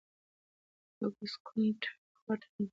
د اګوست کُنت لخوا ټولنپوهنه تعریف شوې ده.